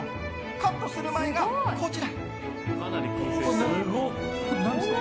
カットする前がこちら。